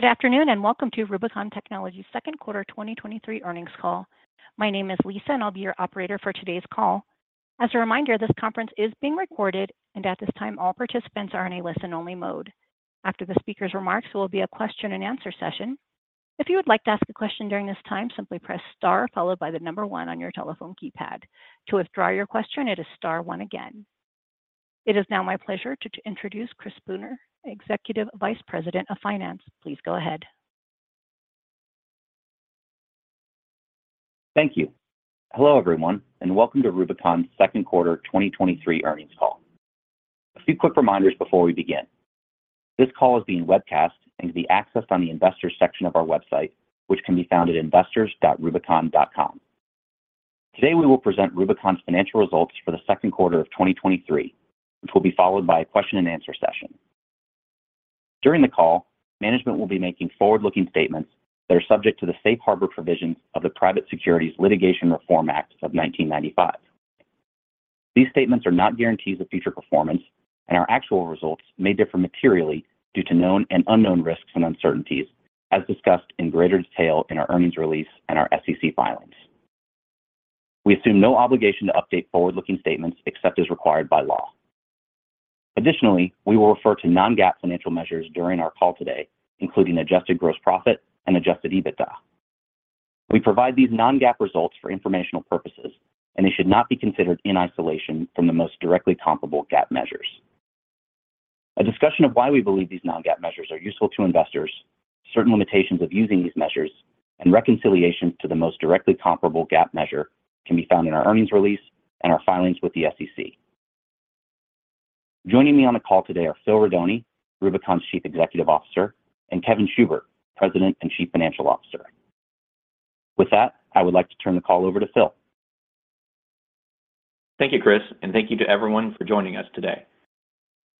Good afternoon, and welcome to Rubicon Technologies' second quarter 2023 earnings call. My name is Lisa, and I'll be your operator for today's call. As a reminder, this conference is being recorded, and at this time, all participants are in a listen-only mode. After the speaker's remarks, there will be a question and answer session. If you would like to ask a question during this time, simply press Star followed by the number 1 on your telephone keypad. To withdraw your question, it is star 1 again. It is now my pleasure to introduce Chris Spooner, Executive Vice President of Finance. Please go ahead. Thank you. Hello, everyone, and welcome to Rubicon's second quarter 2023 earnings call. A few quick reminders before we begin. This call is being webcast and can be accessed on the Investors section of our website, which can be found at investors.rubicon.com. Today, we will present Rubicon's financial results for the second quarter of 2023, which will be followed by a question and answer session. During the call, management will be making forward-looking statements that are subject to the safe harbor provisions of the Private Securities Litigation Reform Act of 1995. These statements are not guarantees of future performance, and our actual results may differ materially due to known and unknown risks and uncertainties, as discussed in greater detail in our earnings release and our SEC filings. We assume no obligation to update forward-looking statements except as required by law. Additionally, we will refer to non-GAAP financial measures during our call today, including adjusted gross profit and Adjusted EBITDA. We provide these non-GAAP results for informational purposes, and they should not be considered in isolation from the most directly comparable GAAP measures. A discussion of why we believe these non-GAAP measures are useful to investors, certain limitations of using these measures, and reconciliation to the most directly comparable GAAP measure can be found in our earnings release and our filings with the SEC. Joining me on the call today are Phil Rodoni, Rubicon's Chief Executive Officer, and Kevin Schubert, President and Chief Financial Officer. With that, I would like to turn the call over to Phil. Thank you, Chris, and thank you to everyone for joining us today.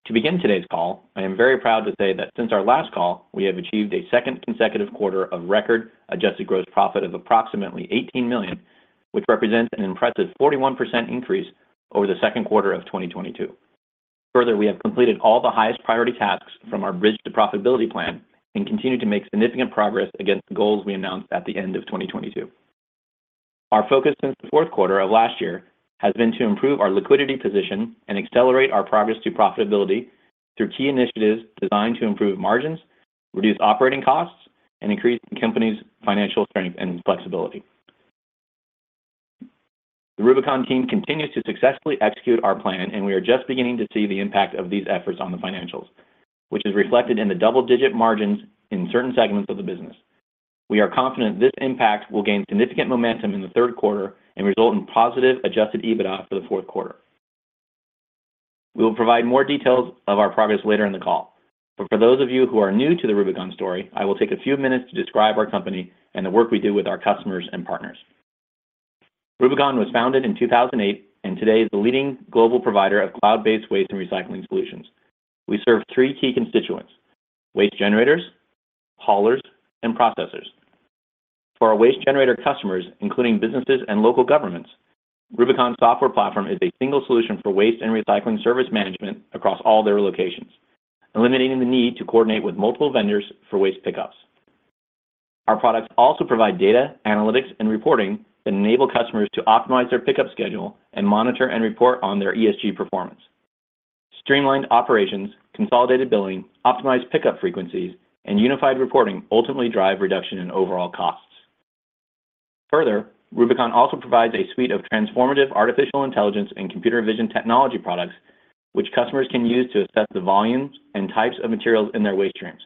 To begin today's call, I am very proud to say that since our last call, we have achieved a second consecutive quarter of record adjusted gross profit of approximately $18 million, which represents an impressive 41% increase over the second quarter of 2022. We have completed all the highest priority tasks from our Bridge to Profitability plan and continue to make significant progress against the goals we announced at the end of 2022. Our focus since the fourth quarter of last year has been to improve our liquidity position and accelerate our progress to profitability through key initiatives designed to improve margins, reduce operating costs, and increase the company's financial strength and flexibility. The Rubicon team continues to successfully execute our plan. We are just beginning to see the impact of these efforts on the financials, which is reflected in the double-digit margins in certain segments of the business. We are confident this impact will gain significant momentum in the third quarter and result in positive adjusted EBITDA for the fourth quarter. We will provide more details of our progress later in the call. For those of you who are new to the Rubicon story, I will take a few minutes to describe our company and the work we do with our customers and partners. Rubicon was founded in 2008 and today is the leading global provider of cloud-based waste and recycling solutions. We serve three key constituents: waste generators, haulers, and processors. For our waste generator customers, including businesses and local governments, Rubicon's software platform is a single solution for waste and recycling service management across all their locations, eliminating the need to coordinate with multiple vendors for waste pickups. Our products also provide data, analytics, and reporting that enable customers to optimize their pickup schedule and monitor and report on their ESG performance. Streamlined operations, consolidated billing, optimized pickup frequencies, and unified reporting ultimately drive reduction in overall costs. Further, Rubicon also provides a suite of transformative artificial intelligence and computer vision technology products, which customers can use to assess the volumes and types of materials in their waste streams.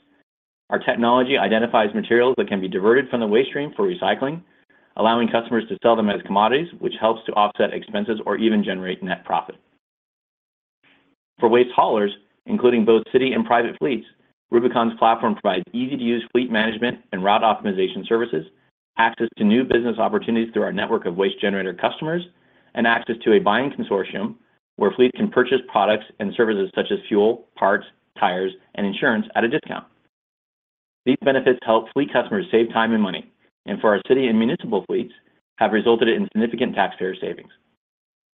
Our technology identifies materials that can be diverted from the waste stream for recycling, allowing customers to sell them as commodities, which helps to offset expenses or even generate net profit. For waste haulers, including both city and private fleets, Rubicon's platform provides easy-to-use fleet management and route optimization services, access to new business opportunities through our network of waste generator customers, and access to a buying consortium where fleets can purchase products and services such as fuel, parts, tires, and insurance at a discount. These benefits help fleet customers save time and money, and for our city and municipal fleets, have resulted in significant taxpayer savings.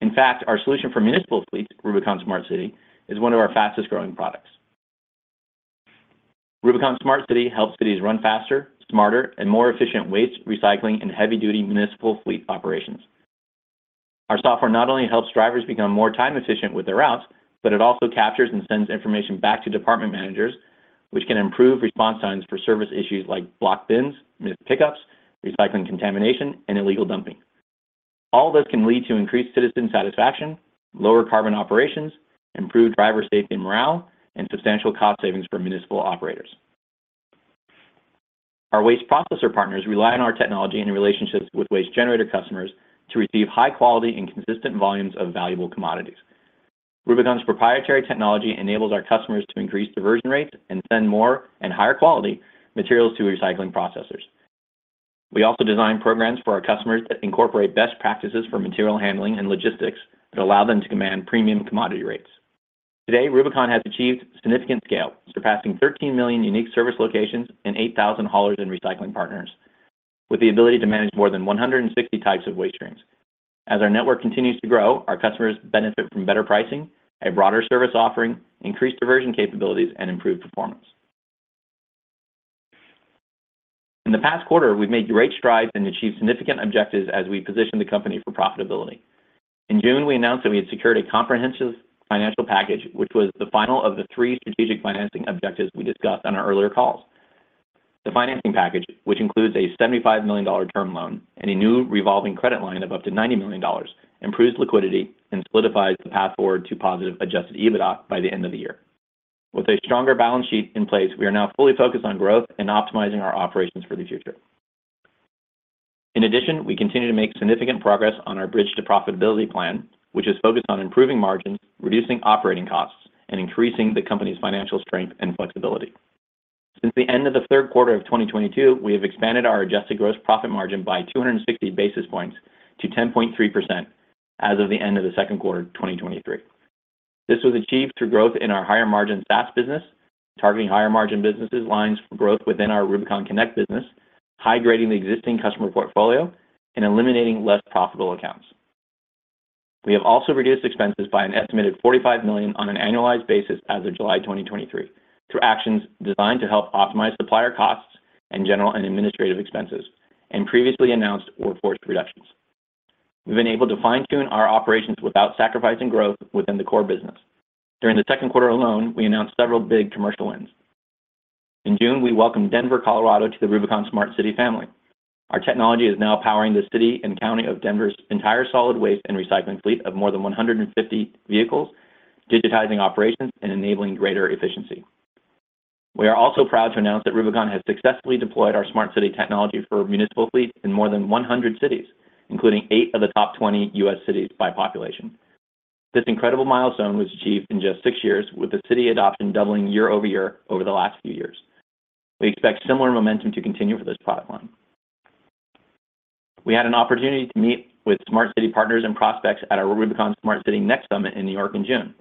In fact, our solution for municipal fleets, RUBICONSmartCity, is one of our fastest-growing products. RUBICONSmartCity helps cities run faster, smarter, and more efficient waste, recycling, and heavy-duty municipal fleet operations. Our software not only helps drivers become more time-efficient with their routes, but it also captures and sends information back to department managers, which can improve response times for service issues like blocked bins, missed pickups, recycling contamination, and illegal dumping. All this can lead to increased citizen satisfaction, lower carbon operations, improved driver safety and morale, and substantial cost savings for municipal operators. Our waste processor partners rely on our technology and relationships with waste generator customers to receive high quality and consistent volumes of valuable commodities. Rubicon's proprietary technology enables our customers to increase diversion rates and send more, and higher quality, materials to recycling processors. We also design programs for our customers that incorporate best practices for material handling and logistics that allow them to command premium commodity rates. Today, Rubicon has achieved significant scale, surpassing 13 million unique service locations and 8,000 haulers and recycling partners, with the ability to manage more than 160 types of waste streams. As our network continues to grow, our customers benefit from better pricing, a broader service offering, increased diversion capabilities, and improved performance. In the past quarter, we've made great strides and achieved significant objectives as we position the company for profitability. In June, we announced that we had secured a comprehensive financial package, which was the final of the 3 strategic financing objectives we discussed on our earlier calls. The financing package, which includes a $75 million term loan and a new revolving credit line of up to $90 million, improves liquidity and solidifies the path forward to positive Adjusted EBITDA by the end of the year. With a stronger balance sheet in place, we are now fully focused on growth and optimizing our operations for the future. In addition, we continue to make significant progress on our Bridge to Profitability plan, which is focused on improving margins, reducing operating costs, and increasing the company's financial strength and flexibility. Since the end of the third quarter of 2022, we have expanded our adjusted gross profit margin by 260 basis points to 10.3% as of the end of the second quarter of 2023. This was achieved through growth in our higher-margin SaaS business, targeting higher-margin businesses lines for growth within our RUBICONConnect business, high-grading the existing customer portfolio, and eliminating less profitable accounts. We have also reduced expenses by an estimated $45 million on an annualized basis as of July 2023, through actions designed to help optimize supplier costs and general and administrative expenses and previously announced workforce reductions. We've been able to fine-tune our operations without sacrificing growth within the core business. During the second quarter alone, we announced several big commercial wins. In June, we welcomed Denver, Colorado, to the RUBICONSmartCity family. Our technology is now powering the City and County of Denver's entire solid waste and recycling fleet of more than 150 vehicles, digitizing operations and enabling greater efficiency. We are also proud to announce that Rubicon has successfully deployed our Smart City technology for municipal fleets in more than 100 cities, including 8 of the top 20 U.S. cities by population. This incredible milestone was achieved in just 6 years, with the city adoption doubling year-over-year over the last few years. We expect similar momentum to continue for this platform. We had an opportunity to meet with Smart City partners and prospects at our RUBICONSmartCity Next Summit in New York in June.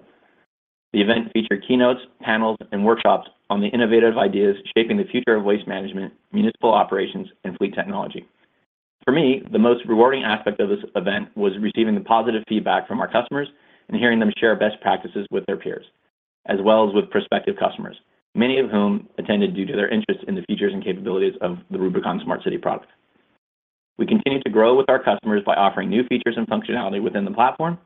The event featured keynotes, panels, and workshops on the innovative ideas shaping the future of waste management, municipal operations, and fleet technology. For me, the most rewarding aspect of this event was receiving the positive feedback from our customers and hearing them share best practices with their peers, as well as with prospective customers, many of whom attended due to their interest in the features and capabilities of the RUBICONSmartCity product. We continue to grow with our customers by offering new features and functionality within the platform.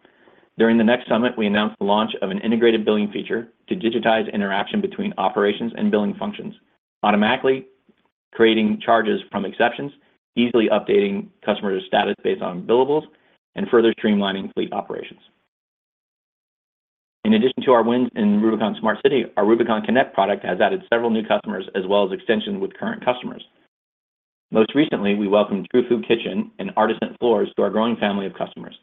During the Next Summit, we announced the launch of an integrated billing feature to digitize interaction between operations and billing functions, automatically creating charges from exceptions, easily updating customers' status based on billables, and further streamlining fleet operations. In addition to our wins in RUBICONSmartCity, our RUBICONConnect product has added several new customers as well as extensions with current customers. Most recently, we welcomed True Food Kitchen and Artisent Floors to our growing family of customers.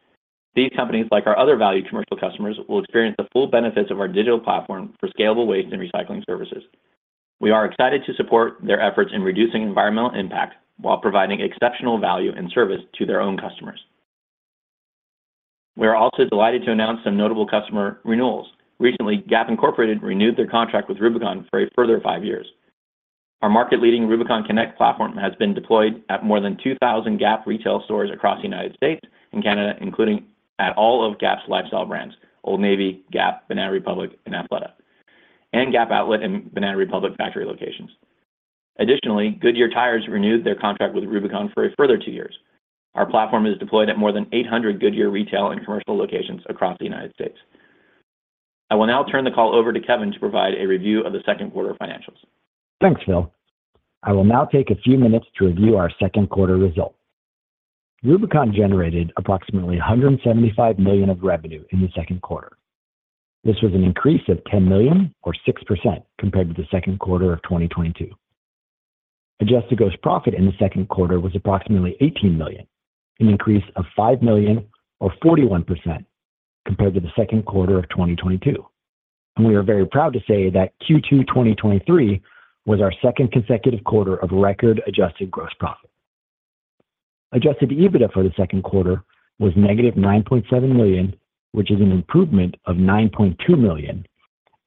These companies, like our other valued commercial customers, will experience the full benefits of our digital platform for scalable waste and recycling services. We are excited to support their efforts in reducing environmental impact while providing exceptional value and service to their own customers. We are also delighted to announce some notable customer renewals. Recently, Gap Incorporated renewed their contract with Rubicon for a further 5 years. Our market-leading RUBICONConnect platform has been deployed at more than 2,000 Gap retail stores across the United States and Canada, including at all of Gap's lifestyle brands, Old Navy, Gap, Banana Republic, and Athleta, and Gap Outlet and Banana Republic Factory locations. Goodyear Tires renewed their contract with Rubicon for a further 2 years. Our platform is deployed at more than 800 Goodyear retail and commercial locations across the United States. I will now turn the call over to Kevin to provide a review of the second quarter financials. Thanks, Phil. I will now take a few minutes to review our second quarter results. Rubicon generated approximately $175 million of revenue in the second quarter. This was an increase of $10 million or 6% compared to the second quarter of 2022. Adjusted gross profit in the second quarter was approximately $18 million, an increase of $5 million or 41% compared to the second quarter of 2022. We are very proud to say that Q2 2023 was our second consecutive quarter of record Adjusted gross profit. Adjusted EBITDA for the second quarter was negative $9.7 million, which is an improvement of $9.2 million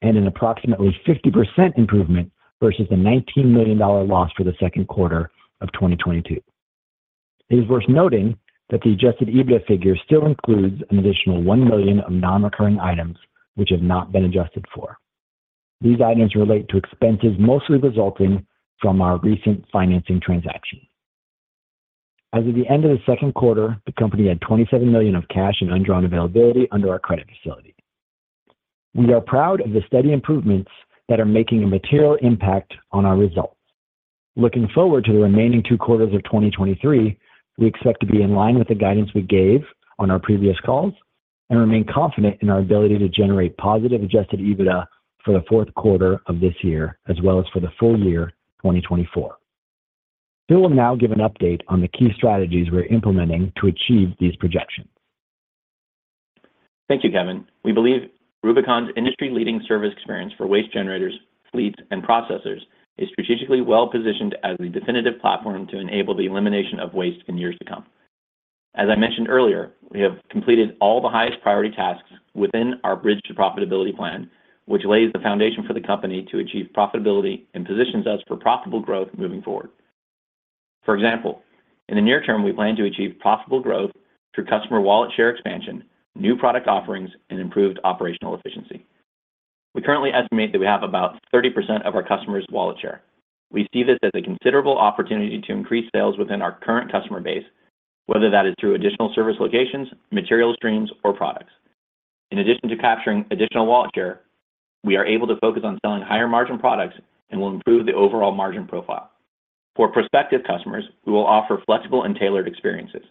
and an approximately 50% improvement versus the $19 million loss for the second quarter of 2022. It is worth noting that the Adjusted EBITDA figure still includes an additional $1 million of non-recurring items which have not been adjusted for. These items relate to expenses, mostly resulting from our recent financing transaction. As of the end of the second quarter, the company had $27 million of cash and undrawn availability under our credit facility. We are proud of the steady improvements that are making a material impact on our results. Looking forward to the remaining 2 quarters of 2023, we expect to be in line with the guidance we gave on our previous calls and remain confident in our ability to generate positive Adjusted EBITDA for the fourth quarter of this year, as well as for the full year 2024. Phil will now give an update on the key strategies we're implementing to achieve these projections. Thank you, Kevin. We believe Rubicon's industry-leading service experience for waste generators, fleets, and processors is strategically well-positioned as the definitive platform to enable the elimination of waste in years to come. As I mentioned earlier, we have completed all the highest priority tasks within our Bridge to Profitability plan, which lays the foundation for the company to achieve profitability and positions us for profitable growth moving forward. For example, in the near term, we plan to achieve profitable growth through customer wallet share expansion, new product offerings, and improved operational efficiency. We currently estimate that we have about 30% of our customers' wallet share. We see this as a considerable opportunity to increase sales within our current customer base, whether that is through additional service locations, material streams, or products. In addition to capturing additional wallet share, we are able to focus on selling higher-margin products and will improve the overall margin profile. For prospective customers, we will offer flexible and tailored experiences.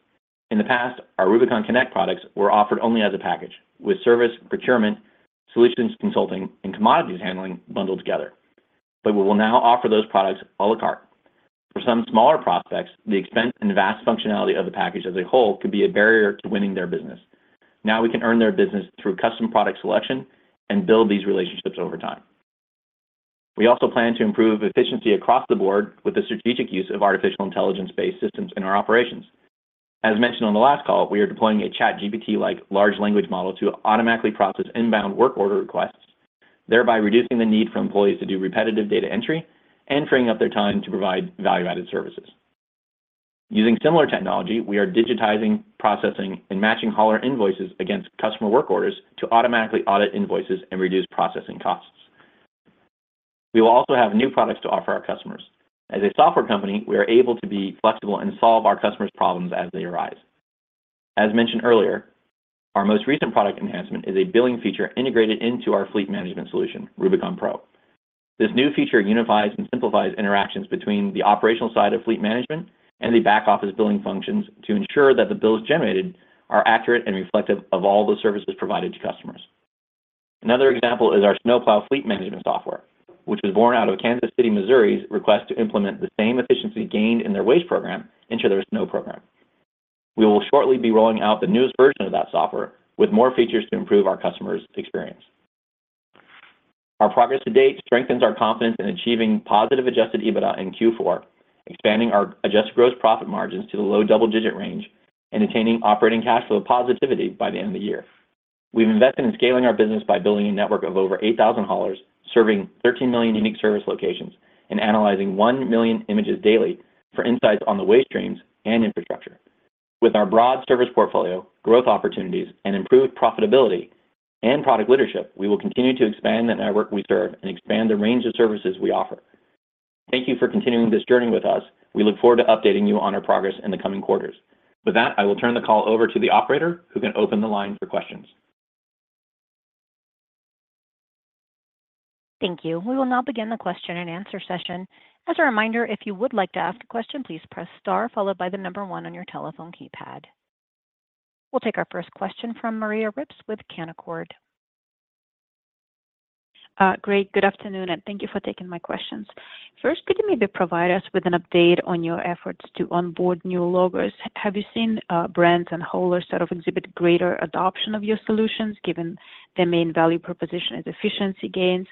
In the past, our RUBICONConnect products were offered only as a package, with service, procurement, solutions consulting, and commodities handling bundled together. We will now offer those products à la carte. For some smaller prospects, the expense and vast functionality of the package as a whole could be a barrier to winning their business. Now, we can earn their business through custom product selection and build these relationships over time. We also plan to improve efficiency across the board with the strategic use of artificial intelligence-based systems in our operations. As mentioned on the last call, we are deploying a ChatGPT-like large language model to automatically process inbound work order requests, thereby reducing the need for employees to do repetitive data entry and freeing up their time to provide value-added services. Using similar technology, we are digitizing, processing, and matching hauler invoices against customer work orders to automatically audit invoices and reduce processing costs. We will also have new products to offer our customers. As a software company, we are able to be flexible and solve our customers' problems as they arise. As mentioned earlier, our most recent product enhancement is a billing feature integrated into our fleet management solution, RUBICONPro. This new feature unifies and simplifies interactions between the operational side of fleet management and the back-office billing functions to ensure that the bills generated are accurate and reflective of all the services provided to customers. Another example is our snowplow fleet management software, which was born out of Kansas City, Missouri's request to implement the same efficiency gained in their waste program into their snow program. We will shortly be rolling out the newest version of that software, with more features to improve our customers' experience. Our progress to date strengthens our confidence in achieving positive Adjusted EBITDA in Q4, expanding our adjusted gross profit margins to the low double-digit range, and attaining operating cash flow positivity by the end of the year. We've invested in scaling our business by building a network of over 8,000 haulers, serving 13 million unique service locations, and analyzing 1 million images daily for insights on the waste streams and infrastructure. With our broad service portfolio, growth opportunities, and improved profitability and product leadership, we will continue to expand the network we serve and expand the range of services we offer. Thank you for continuing this journey with us. We look forward to updating you on our progress in the coming quarters. With that, I will turn the call over to the operator, who can open the line for questions. Thank you. We will now begin the question and answer session. As a reminder, if you would like to ask a question, please press star followed by the number one on your telephone keypad. We'll take our first question from Maria Ripps with Canaccord. Great. Good afternoon, and thank you for taking my questions. First, could you maybe provide us with an update on your efforts to onboard new haulers? Have you seen brands and haulers sort of exhibit greater adoption of your solutions, given their main value proposition is efficiency gains?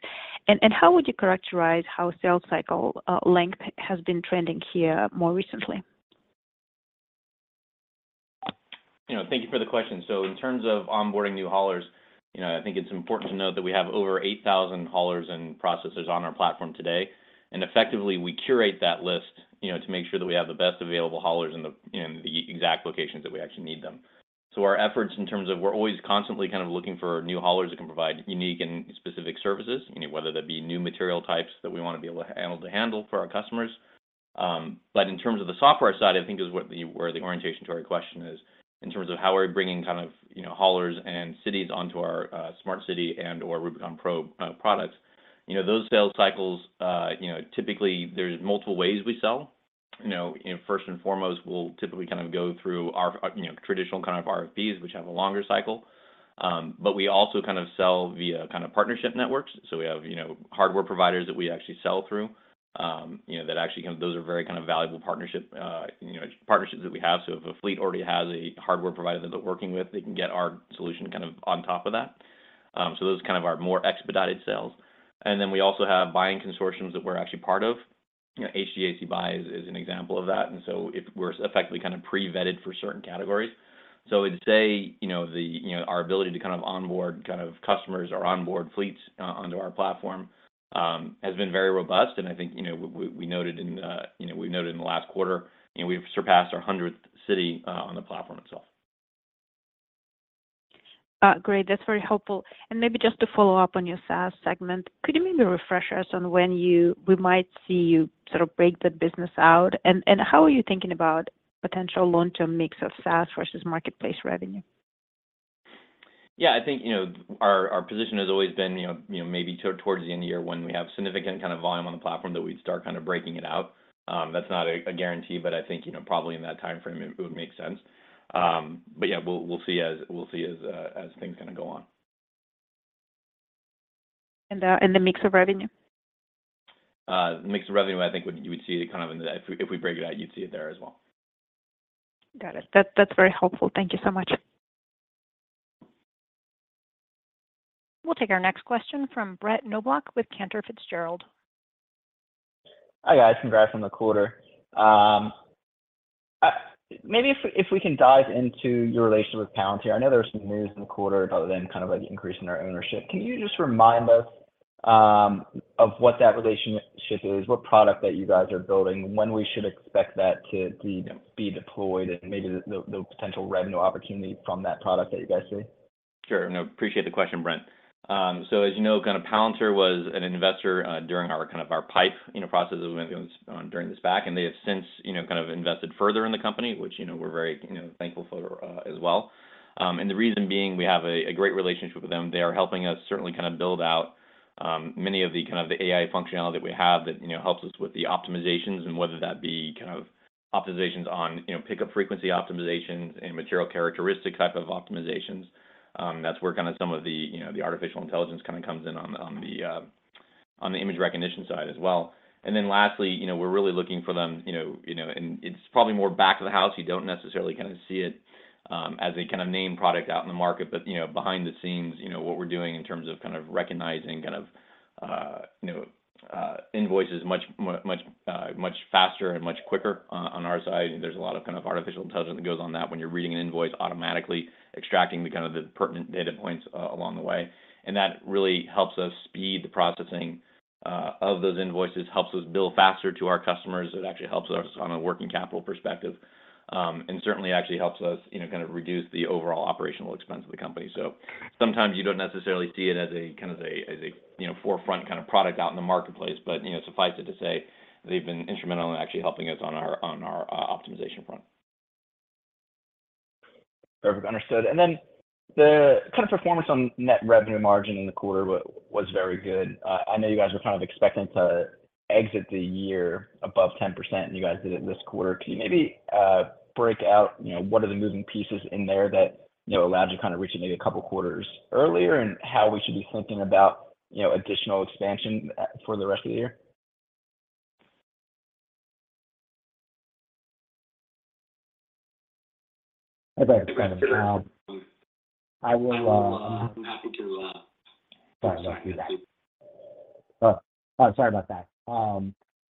How would you characterize how sales cycle length has been trending here more recently? You know, thank you for the question. In terms of onboarding new haulers, you know, I think it's important to note that we have over 8,000 haulers and processors on our platform today, and effectively, we curate that list, you know, to make sure that we have the best available haulers in the, in the exact locations that we actually need them. Our efforts in terms of we're always constantly kind of looking for new haulers that can provide unique and specific services, you know, whether that be new material types that we want to be able to handle, to handle for our customers. In terms of the software side, I think is where the orientation to our question is, in terms of how are we bringing kind of, you know, haulers and cities onto our, smart city and, or RUBICONPro, products. You know, those sales cycles, you know, typically there's multiple ways we sell. You know, and first and foremost, we'll typically kind of go through our, you know, traditional kind of RFPs, which have a longer cycle. We also kind of sell via kind of partnership networks. We have, you know, hardware providers that we actually sell through, you know, that actually, kind of those are very kind of valuable partnership, you know, partnerships that we have. If a fleet already has a hardware provider that they're working with, they can get our solution kind of on top of that. Those are kind of our more expedited sales. We also have buying consortiums that we're actually part of. You know, HGACBuy is, is an example of that, and we're effectively kind of pre-vetted for certain categories. I'd say, you know, the, you know, our ability to kind of onboard kind of customers or onboard fleets onto our platform has been very robust. I think, you know, we, we noted in, you know, we noted in the last quarter, you know, we've surpassed our 100th city on the platform itself. Great. That's very helpful. Maybe just to follow up on your SaaS segment, could you maybe refresh us on when we might see you sort of break the business out? How are you thinking about potential long-term mix of SaaS versus marketplace revenue? Yeah, I think, you know, our, our position has always been, you know, you know, maybe towards the end of the year when we have significant kind of volume on the platform, that we'd start kind of breaking it out. That's not a, a guarantee, but I think, you know, probably in that timeframe it would make sense. Yeah, we'll see as things kind of go on. The mix of revenue? The mix of revenue, I think, you would see it kind of if we, if we break it out, you'd see it there as well. Got it. That, that's very helpful. Thank you so much. We'll take our next question from Brett Knoblauch with Cantor Fitzgerald. Hi, guys. Congrats on the quarter. Maybe if, if we can dive into your relationship with Palantir. I know there was some news in the quarter about them, kind of, like, increasing their ownership. Can you just remind us, of what that relationship is, what product that you guys are building, when we should expect that to be, be deployed, and maybe the, the potential revenue opportunity from that product that you guys see? Sure. No, appreciate the question, Brent. So as you know, Palantir was an investor during our PIPE process that went on during this back, and they have since invested further in the company, which we're very thankful for as well. The reason being, we have a great relationship with them. They are helping us certainly build out many of the AI functionality that we have that helps us with the optimizations and whether that be optimizations on pickup frequency optimizations and material characteristic type of optimizations. That's where some of the artificial intelligence comes in on the on the image recognition side as well. Then lastly, you know, we're really looking for them, you know, you know. It's probably more back of the house. You don't necessarily kind of see it, as a, kind of, name product out in the market. You know, behind the scenes, you know, what we're doing in terms of, kind of, recognizing, kind of, you know, invoices much much, much faster and much quicker on, on our side. There's a lot of, kind of, artificial intelligence that goes on that when you're reading an invoice, automatically extracting the, kind of, the pertinent data points, along the way. That really helps us speed the processing, of those invoices, helps us bill faster to our customers. It actually helps us on a working capital perspective, and certainly actually helps us, you know, kind of reduce the overall operational expense of the company. Sometimes you don't necessarily see it as a, kind of a, as a, you know, forefront kind of product out in the marketplace, but, you know, suffice it to say, they've been instrumental in actually helping us on our, on our optimization front. Perfect. Understood. And then the, kind of, performance on net revenue margin in the quarter was very good. I know you guys were kind of expecting to exit the year above 10%, and you guys did it this quarter. Can you maybe break out, you know, what are the moving pieces in there that, you know, allowed you to kind of reach it maybe a couple of quarters earlier, and how we should be thinking about, you know, additional expansion for the rest of the year? I will, I'm happy to. Sorry about that. Sorry about that.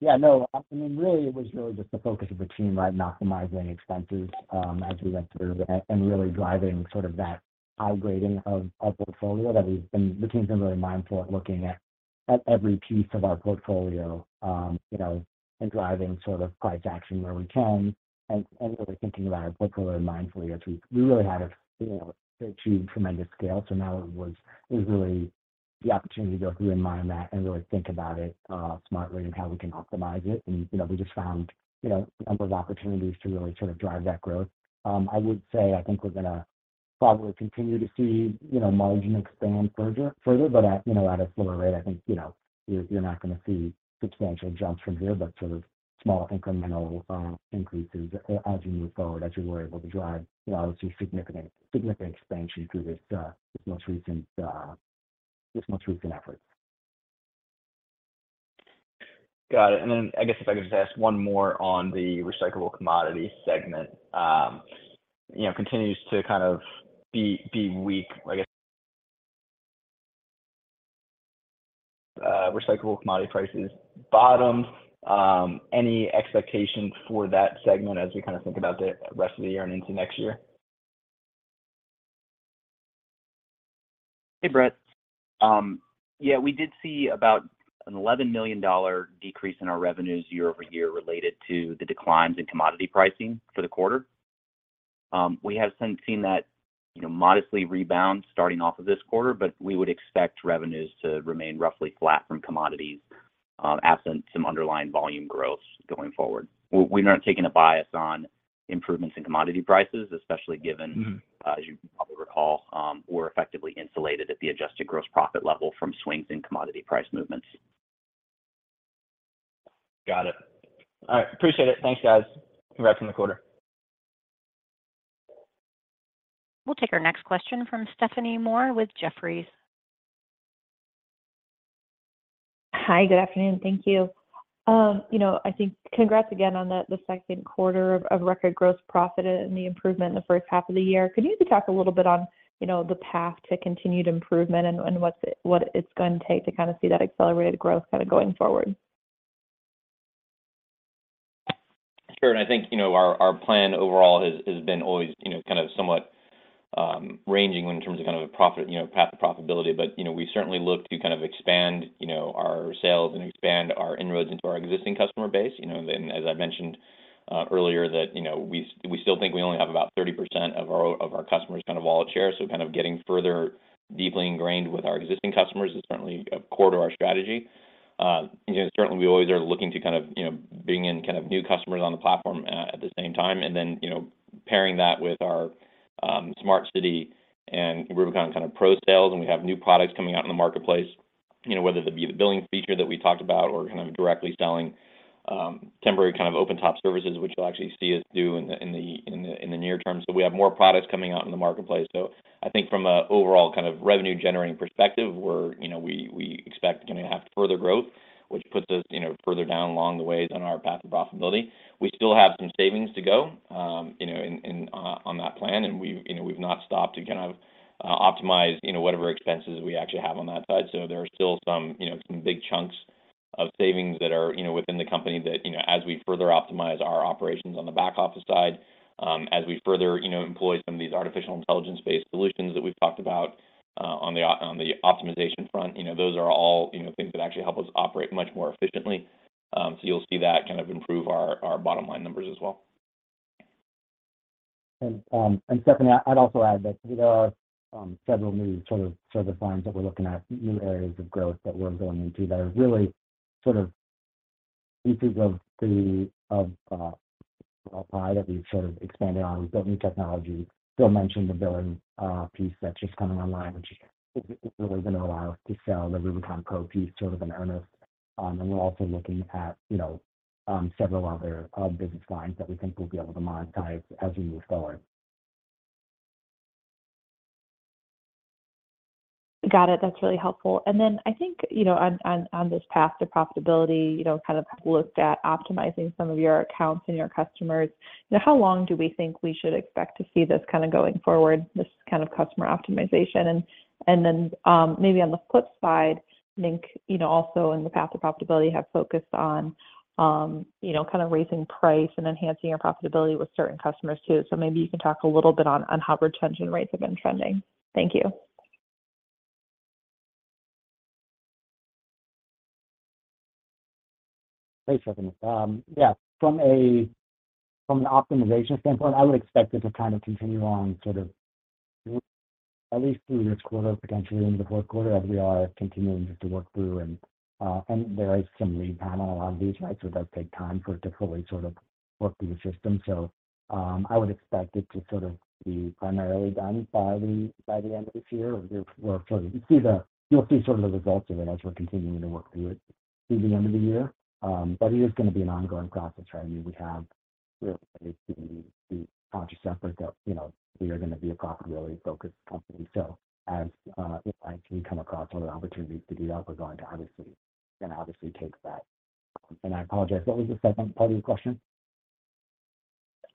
Yeah, no, I mean, really, it was really just the focus of the team on optimizing expenses, as we went through and, and really driving sort of that upgrading of our portfolio. The team's been very mindful at looking at, at every piece of our portfolio, you know, and driving sort of price action where we can, and, and really thinking about our portfolio mindfully as we. We really had a, you know, achieved tremendous scale, so now it was, it was really the opportunity to go through and mine that and really think about it, smartly and how we can optimize it. You know, we just found, you know, a number of opportunities to really sort of drive that growth. I would say, I think we're gonna probably continue to see, you know, margin expand further, further, but at, you know, at a slower rate. I think, you know, you're, you're not gonna see substantial jumps from here, but sort of small incremental increases as we move forward, as we were able to drive, you know, obviously significant, significant expansion through this, this most recent, this most recent effort. Got it. Then I guess if I could just ask one more on the recyclable commodity segment. You know, continues to be weak, I guess, recyclable commodity prices bottom. Any expectation for that segment as we think about the rest of the year and into next year? Hey, Brent. Yeah, we did see about an $11 million decrease in our revenues year-over-year related to the declines in commodity pricing for the quarter. We have since seen that, you know, modestly rebound starting off of this quarter, but we would expect revenues to remain roughly flat from commodities, absent some underlying volume growth going forward. We're not taking a bias on improvements in commodity prices, especially given-. Mm-hmm as you probably recall, we're effectively insulated at the adjusted gross profit level from swings in commodity price movements. Got it. All right. Appreciate it. Thanks, guys. Congrats on the quarter. We'll take our next question from Stephanie Moore with Jefferies. Hi, good afternoon. Thank you. you know, I think congrats again on the, the 2nd quarter of, of record gross profit and the improvement in the 1st half of the year. Could you just talk a little bit on, you know, the path to continued improvement and, and what's, what it's going to take to kind of see that accelerated growth kind of going forward? Sure. I think, you know, our, our plan overall has, has been always, you know, kind of somewhat ranging in terms of kind of a profit, you know, path to profitability. You know, we certainly look to kind of expand, you know, our sales and expand our inroads into our existing customer base. You know, and as I mentioned earlier, that, you know, we, we still think we only have about 30% of our, of our customers under wallet share, so kind of getting further deeply ingrained with our existing customers is certainly core to our strategy. You know, certainly we always are looking to kind of, you know, bring in kind of new customers on the platform, at the same time, and then, you know, pairing that with our Smart City and we're working on kind of Pro sales, and we have new products coming out in the marketplace, you know, whether that be the billing feature that we talked about or kind of directly selling, temporary kind of open top services, which you'll actually see us do in the near term. We have more products coming out in the marketplace. I think from a overall kind of revenue generating perspective, we're, you know, we, we expect to have further growth, which puts us, you know, further down along the way than our path of profitability. We still have some savings to go, you know, in, in, on that plan, and we've, you know, we've not stopped to kind of optimize, you know, whatever expenses we actually have on that side. There are still some, you know, some big chunks of savings that are, you know, within the company that, you know, as we further optimize our operations on the back office side, as we further, you know, employ some of these artificial intelligence-based solutions that we've talked about on the optimization front. You know, those are all, you know, things that actually help us operate much more efficiently. You'll see that kind of improve our, our bottom line numbers as well. Stephanie, I, I'd also add that there are several new sort of service lines that we're looking at, new areas of growth that we're going into that are really sort of pieces of the, of pie that we've sort of expanded on with building technology. Phil mentioned the billing piece that's just coming online, which is, is really gonna allow us to sell the RUBICONPro piece sort of in earnest. We're also looking at, you know, several other business lines that we think we'll be able to monetize as we move forward. Got it. That's really helpful. Then I think, you know, on, on, on this path to profitability, you know, kind of looked at optimizing some of your accounts and your customers. How long do we think we should expect to see this kind of going forward, this kind of customer optimization? Then, maybe on the flip side, I think, you know, also in the path to profitability, have focused on, you know, kind of raising price and enhancing our profitability with certain customers too. Maybe you can talk a little bit on, on how retention rates have been trending. Thank you. Thanks, Stephanie. Yeah, from a, from an optimization standpoint, I would expect it to kind of continue on sort of at least through this quarter, potentially into the fourth quarter, as we are continuing to work through. There is some lead time on a lot of these rights, so does take time for it to fully sort of work through the system. I would expect it to sort of be primarily done by the, by the end of this year. You'll see sort of the results of it as we're continuing to work through it through the end of the year. It is gonna be an ongoing process, right? I mean, we have the conscious effort that, you know, we are gonna be a profitability-focused company. As, you know, as we come across other opportunities to do that, we're going to gonna obviously take that. I apologize, what was the second part of your question?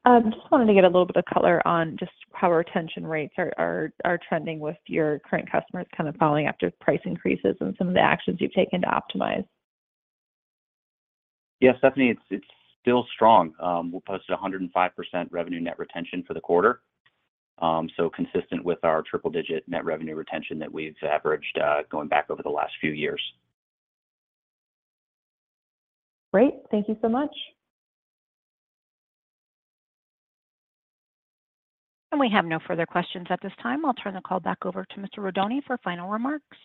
Just wanted to get a little bit of color on just how our retention rates are, are, are trending with your current customers, kind of following after price increases and some of the actions you've taken to optimize? Yeah, Stephanie, it's, it's still strong. We posted 105% revenue net retention for the quarter. So consistent with our triple digit net revenue retention that we've averaged going back over the last few years. Great. Thank you so much. We have no further questions at this time. I'll turn the call back over to Mr. Rodoni for final remarks.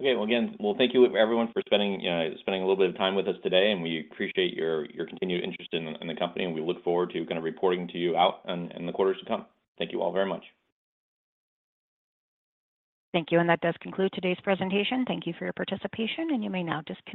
Okay. Well, again, well, thank you everyone for spending, spending a little bit of time with us today, and we appreciate your, your continued interest in, in the company, and we look forward to kind of reporting to you out in, in the quarters to come. Thank you all very much. Thank you, and that does conclude today's presentation. Thank you for your participation, and you may now disconnect.